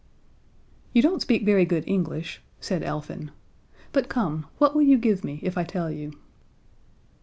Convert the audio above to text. "You don't speak very good English," said Elfin. "But come, what will you give me if I tell you?"